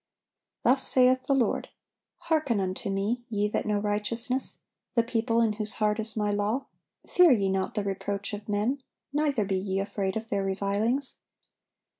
Thus saith the Lord: "Hearken unto Me, ye that know righteousness, the people in whose heart is My law; fear ye not the reproach of men, neither be ye afraid of their revilings.